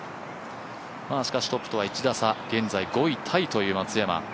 しかし、トップとは１打差、現在５位タイという松山。